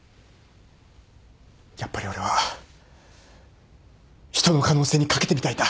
やっぱり俺は人の可能性に賭けてみたいんだ。